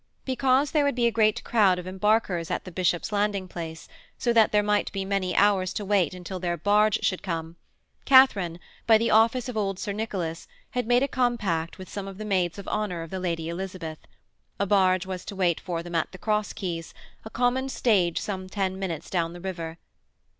Because there would be a great crowd of embarkers at the bishop's landing place, so that there might be many hours to wait until their barge should come, Katharine, by the office of old Sir Nicholas, had made a compact with some of the maids of honour of the Lady Elizabeth; a barge was to wait for them at the Cross Keys, a common stage some ten minutes down the river.